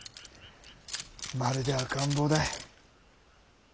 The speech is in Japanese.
まるで赤ん坊だ。